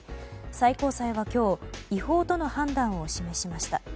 最高裁は今日違法との判断を示しました。